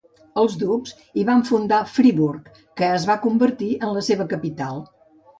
Els ducs hi van fundar Friburg, que es va convertir en la seva capital.